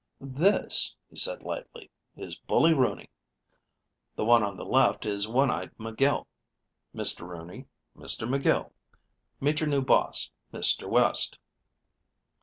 "This," he said lightly, "is Bully Rooney; the one on the left is One eyed McGill. Mr. Rooney, Mr. McGill, meet your new boss, Mr. West."